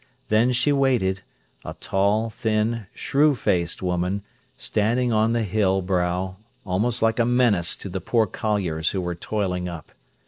Then she waited, a tall, thin, shrew faced woman, standing on the hill brow, almost like a menace to the poor colliers who were toiling up.